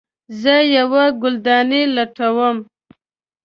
زه یوه ګلدانۍ لټوم